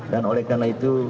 dan oleh karena itu